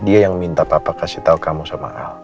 dia yang minta papa kasih tahu kamu sama aku